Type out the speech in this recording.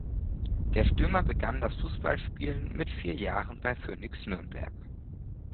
Der Stürmer begann das Fußballspielen mit vier Jahren bei Phönix Nürnberg.